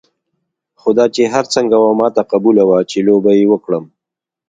خو دا چې هر څنګه وه ما ته قبوله وه چې لوبه یې وکړم.